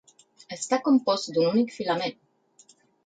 Està compost d'un únic filament.